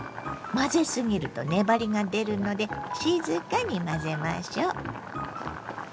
混ぜすぎると粘りが出るので静かに混ぜましょ。